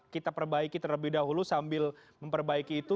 kita perbaiki terlebih dahulu sambil memperbaiki itu